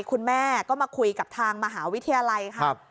คุณแม่ก็มาคุยกับทางมหาวิทยาลัยค่ะ